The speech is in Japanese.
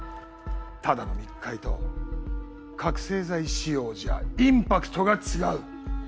ただの密会と覚せい剤使用じゃインパクトが違う！